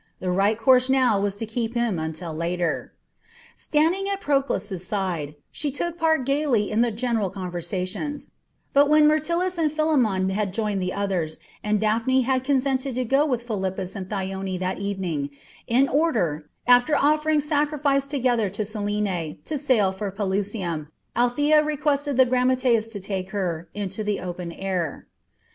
The right course now was to keep him until later. Standing at Proclus's side, she took part gaily in the general conversation; but when Myrtilus and Philemon had joined the others, and Daphne had consented to go with Philippus and Thyone that evening, in order, after offering sacrifice together to Selene, to sail for Pelusium, Althea requested the grammateus to take her, into the open air.